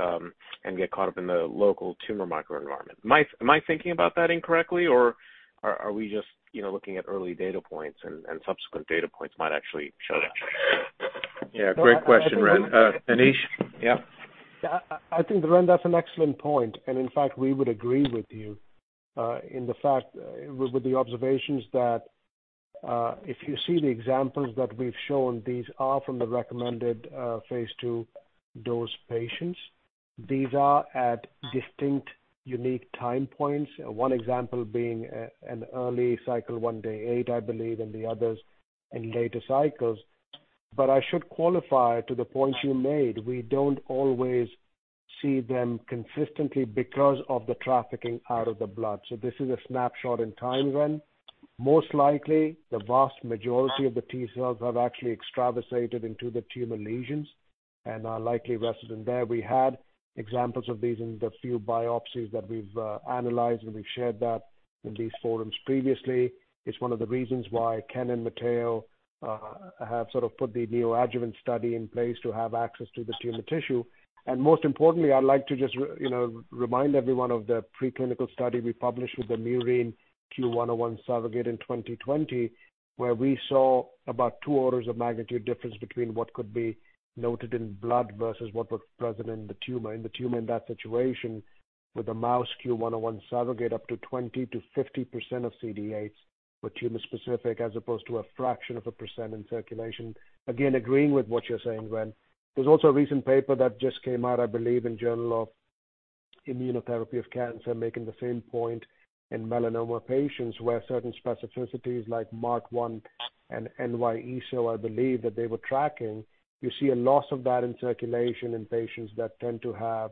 get caught up in the local tumor microenvironment? Am I thinking about that incorrectly, or are we just, you know, looking at early data points and subsequent data points might actually show that? Yeah, great question, Ren. Anish. Yeah. I think, Ren, that's an excellent point. In fact, we would agree with you in fact with the observations that if you see the examples that we've shown, these are from the recommended phase II dose patients. These are at distinct, unique time points. One example being an early cycle one, day eight, I believe, and the others in later cycles. I should qualify to the point you made, we don't always see them consistently because of the trafficking out of the blood. This is a snapshot in time, Ren. Most likely, the vast majority of the T cells have actually extravasated into the tumor lesions and are likely resident there. We had examples of these in the few biopsies that we've analyzed, and we've shared that in these forums previously. It's one of the reasons why Ken and Matteo have sort of put the neoadjuvant study in place to have access to the tumor tissue. Most importantly, I'd like to just you know, remind everyone of the preclinical study we published with the murine Q101 surrogate in 2020, where we saw about two orders of magnitude difference between what could be noted in blood versus what was present in the tumor. In the tumor in that situation with the mouse Q101 surrogate, up to 20%-50% of CD8s were tumor specific, as opposed to a fraction of a percent in circulation. Again, agreeing with what you're saying, Ren. There's also a recent paper that just came out, I believe, in Journal for ImmunoTherapy of Cancer, making the same point in melanoma patients where certain specificities like MART-1 and NY-ESO, I believe that they were tracking. You see a loss of that in circulation in patients that tend to have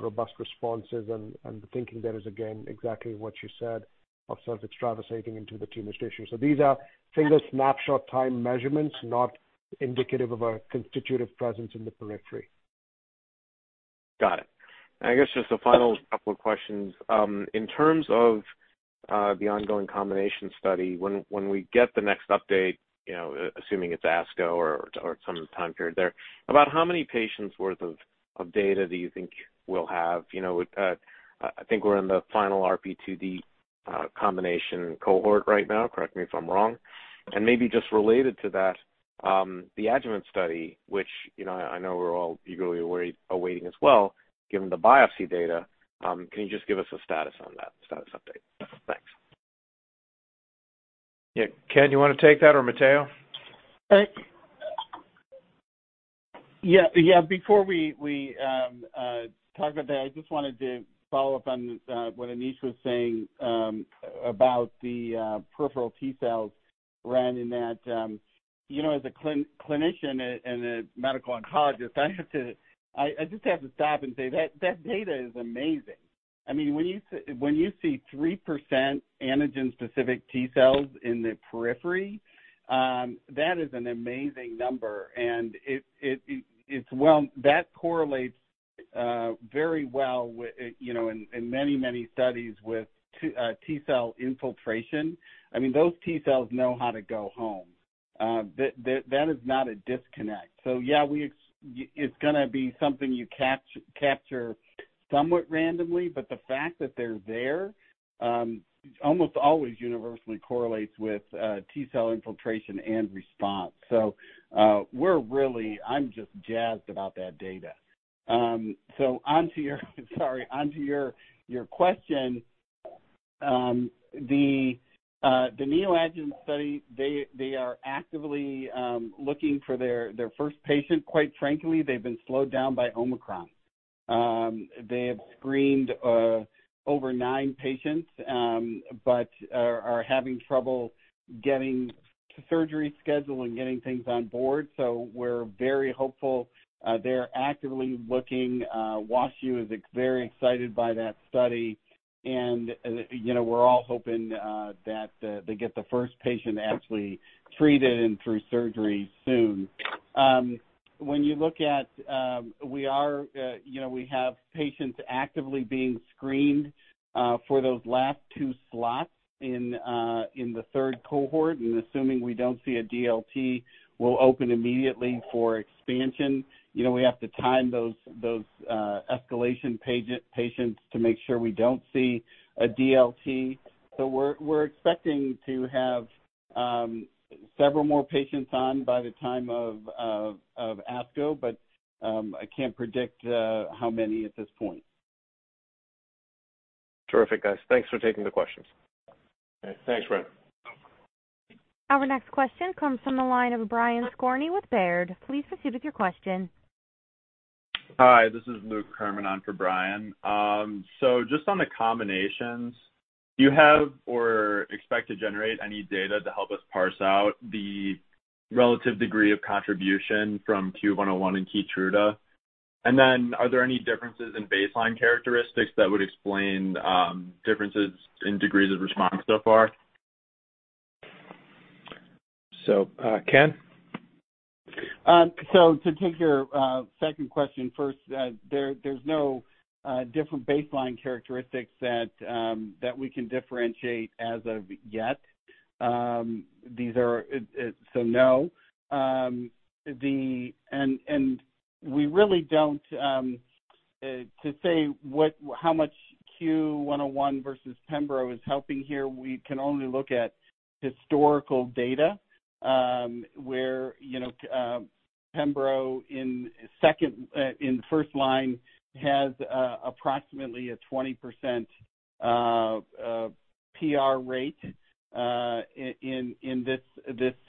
robust responses and the thinking there is again, exactly what you said of sort of extravasating into the tumor tissue. These are single snapshot time measurements, not indicative of a constitutive presence in the periphery. Got it. I guess just a final couple of questions. In terms of the ongoing combination study, when we get the next update, you know, assuming it's ASCO or some time period there, about how many patients worth of data do you think we'll have? You know, with I think we're in the final RP2D combination cohort right now. Correct me if I'm wrong. Maybe just related to that, the adjuvant study, which, you know, I know we're all eagerly awaiting as well, given the biopsy data, can you just give us a status on that update? Thanks. Yeah. Ken, you wanna take that or Matteo? Before we talk about that, I just wanted to follow up on what Anish was saying about the peripheral T cells in that. You know, as a clinician and a medical oncologist, I have to stop and say that that data is amazing. I mean, when you see 3% antigen-specific T cells in the periphery, that is an amazing number, and it correlates very well with in many studies with T-cell infiltration. I mean, those T cells know how to go home. That is not a disconnect. Yeah, it's gonna be something you capture somewhat randomly, but the fact that they're there almost always universally correlates with T-cell infiltration and response. We're really jazzed about that data. Onto your question. The neoadjuvant study, they are actively looking for their first patient. Quite frankly, they've been slowed down by Omicron. They have screened over nine patients, but are having trouble getting surgery scheduled and getting things on board. We're very hopeful. They're actively looking. WashU is very excited by that study and you know, we're all hoping that they get the first patient actually treated and through surgery soon. When you look at, you know, we have patients actively being screened for those last two slots in the third cohort, and assuming we don't see a DLT, we'll open immediately for expansion. You know, we have to time those escalation patients to make sure we don't see a DLT. We're expecting to have several more patients on by the time of ASCO, but I can't predict how many at this point. Terrific, guys. Thanks for taking the questions. Thanks, Ren. Our next question comes from the line of Brian Skorney with Baird. Please proceed with your question. Hi, this is Luke Hermann on for Brian. Just on the combinations, do you have or expect to generate any data to help us parse out the relative degree of contribution from Q101 and Keytruda? Are there any differences in baseline characteristics that would explain differences in degrees of response so far? Ken? To take your second question first, there's no different baseline characteristics that we can differentiate as of yet. These are it. No. We really don't know how much CUE-101 versus pembro is helping here, we can only look at historical data, where you know, pembro in first line has approximately a 20% PR rate in this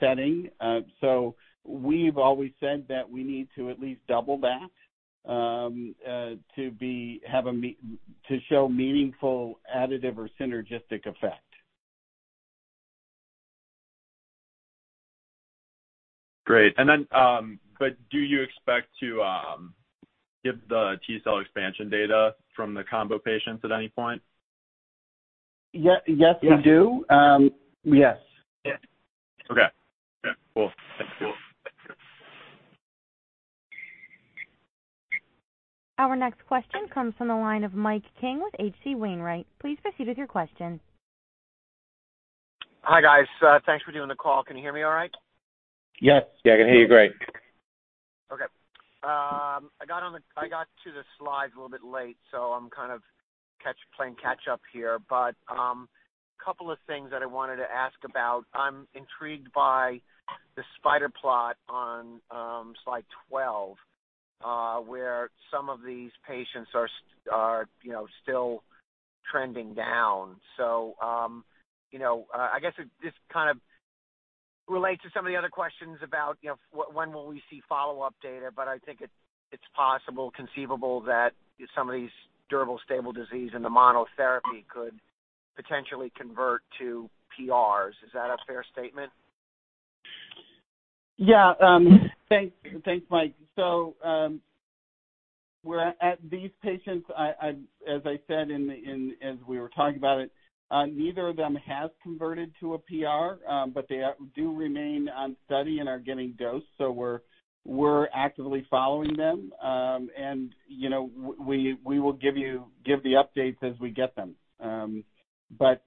setting. We've always said that we need to at least double that to show meaningful additive or synergistic effect. Great. Do you expect to give the T-cell expansion data from the combo patients at any point? Yes, we do. Yes. Yes. Yes. Okay. Okay, cool. Thanks. Our next question comes from the line of Mike King with H.C. Wainwright. Please proceed with your question. Hi, guys. Thanks for doing the call. Can you hear me all right? Yes. Yeah, I can hear you great. Okay. I got to the slides a little bit late, so I'm kind of catching, playing catch up here. Couple of things that I wanted to ask about. I'm intrigued by the spider plot on slide 12, where some of these patients are, you know, still trending down. You know, I guess it just kind of Relate to some of the other questions about, you know, when will we see follow-up data, but I think it's possible, conceivable that some of these durable stable disease in the monotherapy could potentially convert to PRs. Is that a fair statement? Yeah. Thanks, Mike. These patients, as I said in the, as we were talking about it, neither of them has converted to a PR, but they do remain on study and are getting dose. We're actively following them. You know, we will give you the updates as we get them. But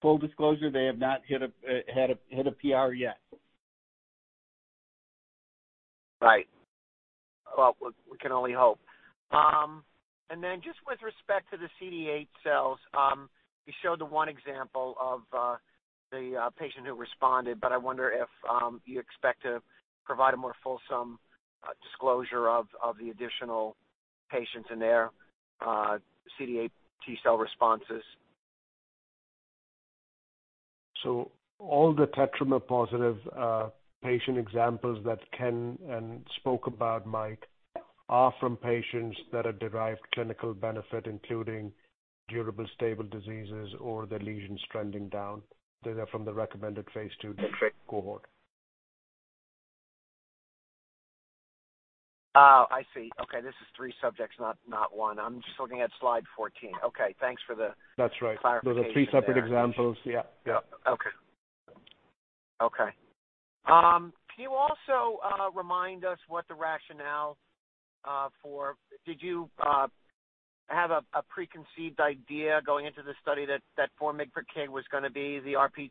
full disclosure, they have not hit a PR yet. Right. Well, we can only hope. Just with respect to the CD8 cells, you showed the one example of the patient who responded, but I wonder if you expect to provide a more fulsome disclosure of the additional patients in their CD8 T cell responses? All the tetramer-positive patient examples that Ken spoke about, Mike, are from patients that have derived clinical benefit, including durable, stable diseases or their lesions trending down. They're from the recommended phase II cohort. Oh, I see. Okay. This is three subjects, not one. I'm just looking at slide 14. Okay. Thanks for the- That's right. Clarification there. Those are three separate examples. Yeah. Yeah. Okay. Can you also remind us what the rationale for. Did you have a preconceived idea going into the study that 4 mg per kg was gonna be the RP2D?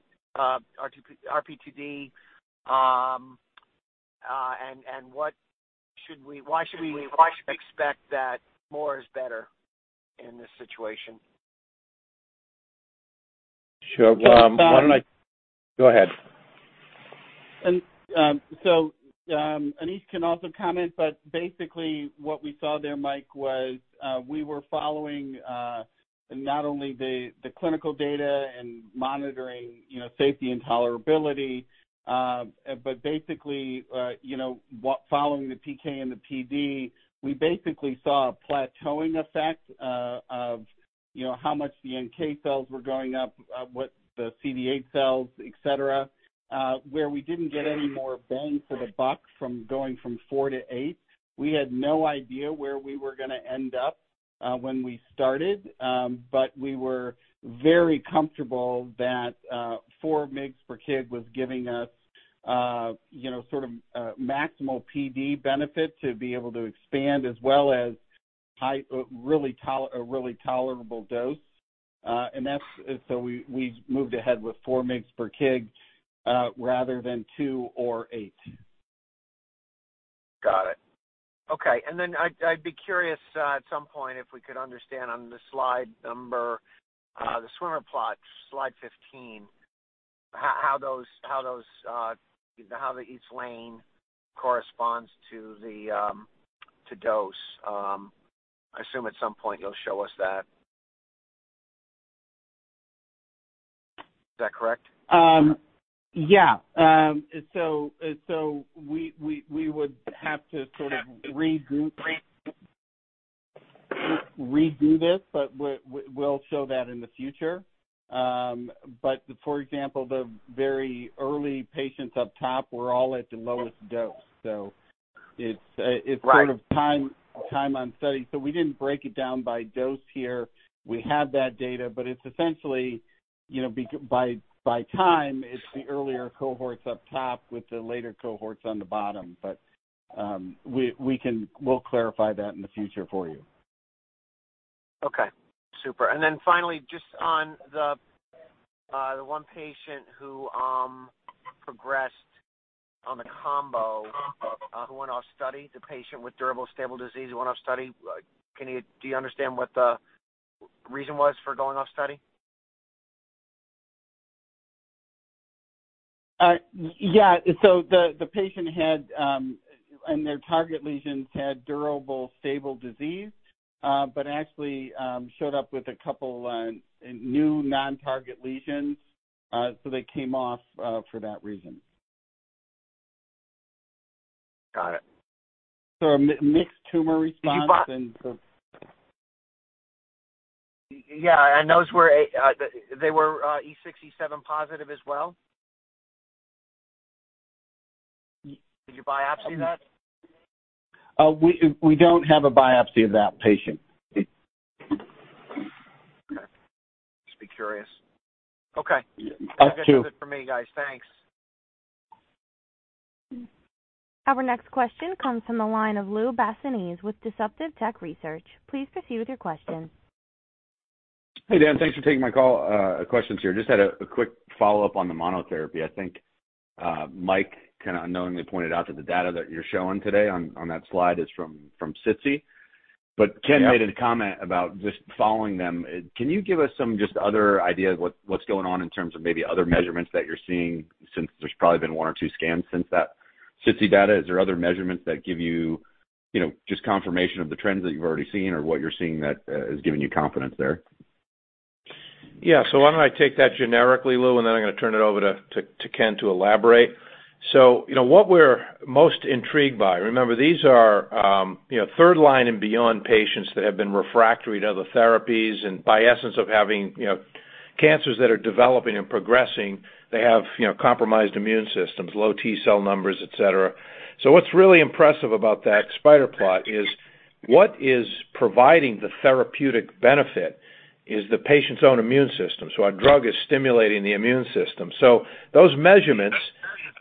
Why should we expect that more is better in this situation? Sure. Go ahead. Anish can also comment, but basically what we saw there, Mike, was we were following not only the clinical data and monitoring, you know, safety and tolerability, but basically, you know, what following the PK and the PD, we basically saw a plateauing effect of, you know, how much the NK cells were going up, what the CD8 cells, etc., where we didn't get any more bang for the buck from going from four to eight. We had no idea where we were gonna end up when we started, but we were very comfortable that 4 mgs per kg was giving us, you know, sort of, maximal PD benefit to be able to expand as well as high, a really tolerable dose. We moved ahead with 4 mgs per kg rather than 2 mgs or 8 mgs. Got it. Okay. I'd be curious at some point if we could understand on the slide number the swimmer plot, slide 15, how each lane corresponds to the dose. I assume at some point you'll show us that. Is that correct? Yeah. So we would have to sort of regroup, redo this, but we'll show that in the future. But for example, the very early patients up top were all at the lowest dose. It's Right. Sort of time on study. We didn't break it down by dose here. We have that data, but it's essentially, you know, by time, it's the earlier cohorts up top with the later cohorts on the bottom. We'll clarify that in the future for you. Okay. Super. Finally, just on the one patient who progressed on the combo, who went off study, the patient with durable stable disease who went off study, like, do you understand what the reason was for going off study? The patient had and their target lesions had durable stable disease, but actually showed up with a couple new non-target lesions. They came off for that reason. Got it. A mixed tumor response. Did you bi- And the... Yeah. Those were E7 positive as well? Did you biopsy that? We don't have a biopsy of that patient. Okay. Just be curious. Okay. Us too. That's good for me, guys. Thanks. Our next question comes from the line of Lou Basenese with Disruptive Tech Research. Please proceed with your question. Hey, Dan. Thanks for taking my call. I have questions here. Just had a quick follow-up on the monotherapy. I think Mike kinda unknowingly pointed out that the data that you're showing today on that slide is from SITC. Yep. Ken made a comment about just following them. Can you give us some just other ideas what's going on in terms of maybe other measurements that you're seeing since there's probably been one or two scans since that SITC data? Is there other measurements that give you know, just confirmation of the trends that you've already seen or what you're seeing that is giving you confidence there? Yeah. Why don't I take that generically, Lou, and then I'm gonna turn it over to Ken to elaborate. You know what we're most intrigued by. Remember these are third line and beyond patients that have been refractory to other therapies. By virtue of having cancers that are developing and progressing, they have compromised immune systems, low T cell numbers, et cetera. What's really impressive about that spider plot is what is providing the therapeutic benefit is the patient's own immune system. Our drug is stimulating the immune system. Those measurements,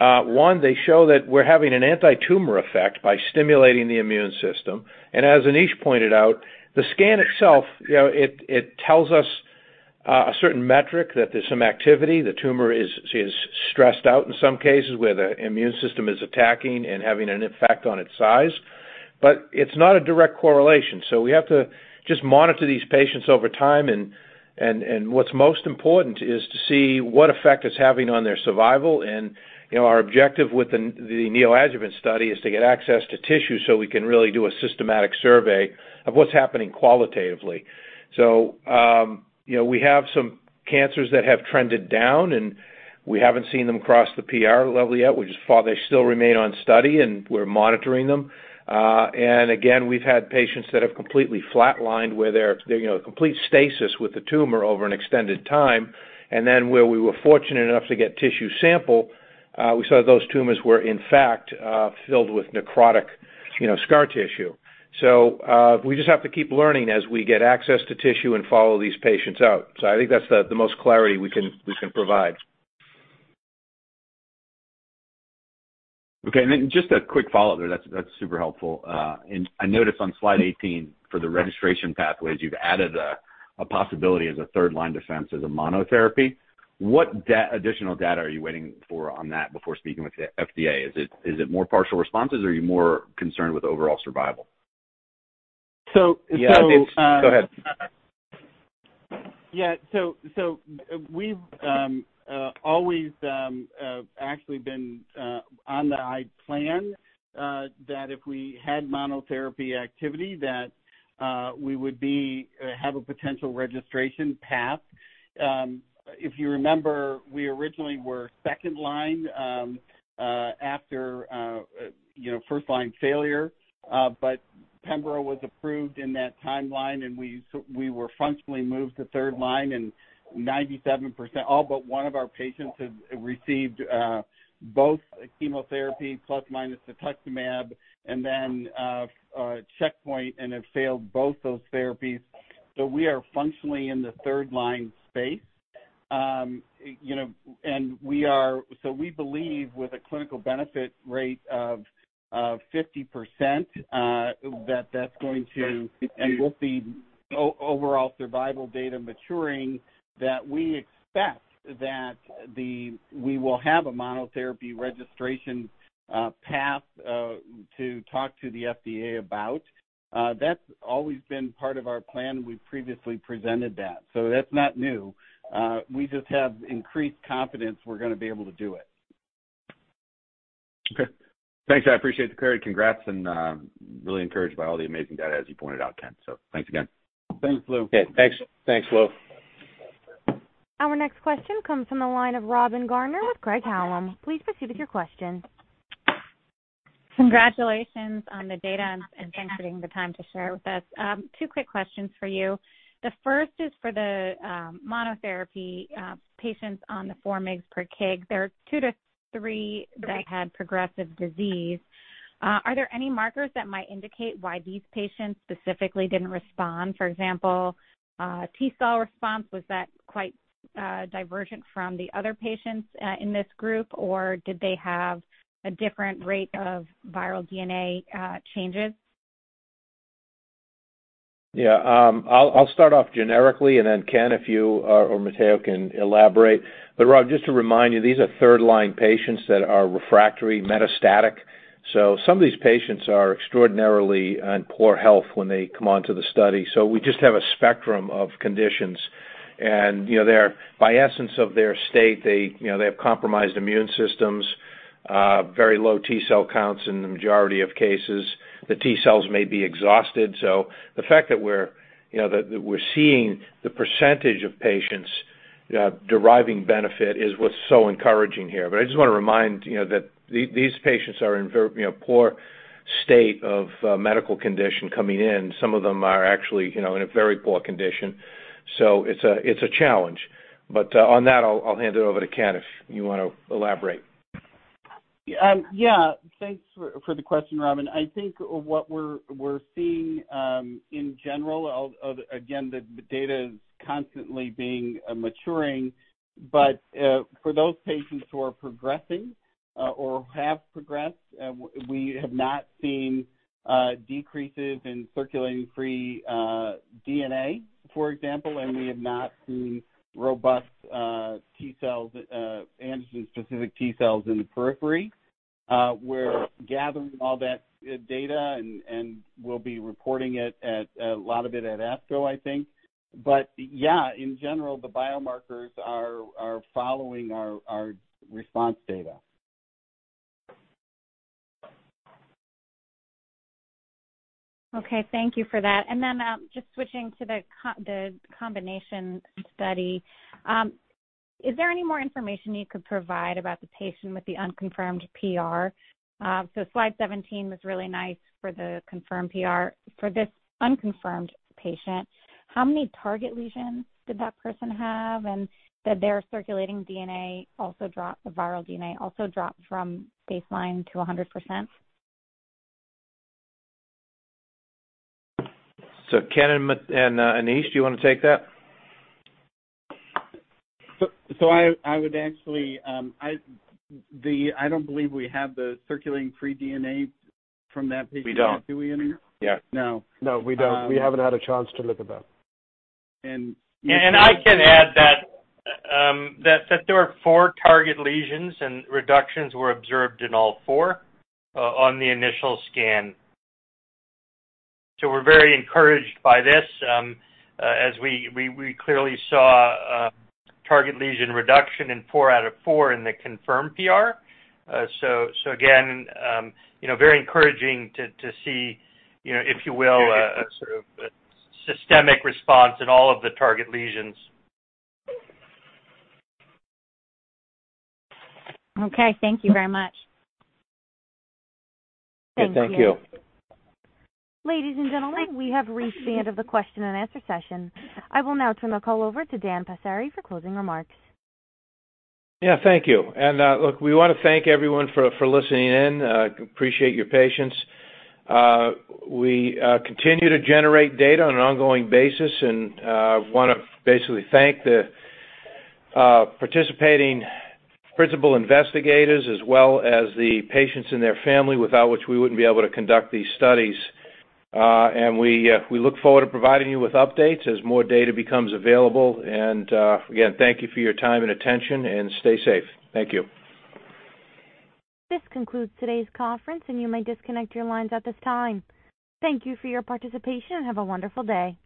one, they show that we're having an anti-tumor effect by stimulating the immune system. As Anish pointed out, the scan itself, it tells us a certain metric that there's some activity. The tumor is stressed out in some cases where the immune system is attacking and having an effect on its size. But it's not a direct correlation, so we have to just monitor these patients over time and what's most important is to see what effect it's having on their survival. You know, our objective with the neoadjuvant study is to get access to tissue so we can really do a systematic survey of what's happening qualitatively. You know, we have some cancers that have trended down, and we haven't seen them cross the PR level yet. They still remain on study, and we're monitoring them. Again, we've had patients that have completely flatlined, where they're, you know, complete stasis with the tumor over an extended time. Where we were fortunate enough to get tissue sample, we saw those tumors were in fact filled with necrotic, you know, scar tissue. We just have to keep learning as we get access to tissue and follow these patients out. I think that's the most clarity we can provide. Okay. Just a quick follow-up there. That's super helpful. I noticed on slide 18 for the registration pathways, you've added a possibility as a third-line defense as a monotherapy. What additional data are you waiting for on that before speaking with the FDA? Is it more partial responses, or are you more concerned with overall survival? So, so, uh- Yeah, I mean. Go ahead. Yeah. We've always actually been on the I plan that if we had monotherapy activity that we would have a potential registration path. If you remember, we originally were second line after you know first-line failure, but Pembro was approved in that timeline, and we were functionally moved to third line. 97%, all but one of our patients have received both chemotherapy plus minus cetuximab and then checkpoint and have failed both those therapies. We are functionally in the third line space. We believe with a clinical benefit rate of 50% that that's going to- Yes. With the overall survival data maturing, we expect we will have a monotherapy registration path to talk to the FDA about. That's always been part of our plan. We've previously presented that. That's not new. We just have increased confidence we're gonna be able to do it. Okay. Thanks. I appreciate the clarity. Congrats, and, really encouraged by all the amazing data, as you pointed out, Ken. Thanks again. Thanks, Lou. Okay, thanks. Thanks, Lou. Our next question comes from the line of Robin Garner with Craig-Hallum. Please proceed with your question. Congratulations on the data and thanks for taking the time to share with us. Two quick questions for you. The first is for the monotherapy patients on the 4 mg/kg. There are two to three that had progressive disease. Are there any markers that might indicate why these patients specifically didn't respond? For example, T-cell response, was that quite divergent from the other patients in this group, or did they have a different rate of viral DNA changes? Yeah. I'll start off generically and then Ken if you or Matteo can elaborate. Robin, just to remind you, these are third-line patients that are refractory metastatic. Some of these patients are extraordinarily in poor health when they come onto the study. We just have a spectrum of conditions. You know, they're by essence of their state you know they have compromised immune systems, very low T cell counts in the majority of cases. The T cells may be exhausted. You know, that we're seeing the percentage of patients deriving benefit is what's so encouraging here. I just wanna remind, you know, that these patients are in very poor state of medical condition coming in. Some of them are actually, you know, in a very poor condition. It's a challenge. On that I'll hand it over to Ken if you wanna elaborate. Yeah. Thanks for the question, Robin. I think what we're seeing in general, again, the data is constantly being maturing. For those patients who are progressing or have progressed, we have not seen decreases in circulating free DNA, for example, and we have not seen robust antigen-specific T cells in the periphery. We're gathering all that data and we'll be reporting a lot of it at ASTRO, I think. Yeah, in general, the biomarkers are following our response data. Okay, thank you for that. Just switching to the combination study. Is there any more information you could provide about the patient with the unconfirmed PR? Slide 17 was really nice for the confirmed PR. For this unconfirmed patient, how many target lesions did that person have, and did their circulating DNA also drop, the viral DNA, also drop from baseline to 100%? Ken and Anish, do you wanna take that? I don't believe we have the circulating free DNA from that patient. We don't. Do we, Anish? Yeah. No. No, we don't. We haven't had a chance to look at that. And- I can add that there were four target lesions and reductions were observed in all four on the initial scan. We're very encouraged by this, as we clearly saw a target lesion reduction in four out of four in the confirmed PR. Again, you know, very encouraging to see, you know, if you will, a sort of a systemic response in all of the target lesions. Okay, thank you very much. Okay, thank you. Thank you. Ladies and gentlemen, we have reached the end of the question and answer session. I will now turn the call over to Dan Passeri for closing remarks. Yeah, thank you. Look, we wanna thank everyone for listening in. Appreciate your patience. We continue to generate data on an ongoing basis and wanna basically thank the participating principal investigators as well as the patients and their family without which we wouldn't be able to conduct these studies. We look forward to providing you with updates as more data becomes available. Again, thank you for your time and attention, and stay safe. Thank you. This concludes today's conference, and you may disconnect your lines at this time. Thank you for your participation and have a wonderful day.